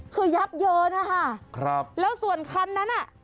คือยับเยินนะคะครับแล้วส่วนคันนั้นอ่ะ